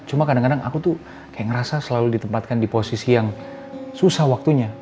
cuma kadang kadang aku tuh kayak ngerasa selalu ditempatkan di posisi yang susah waktunya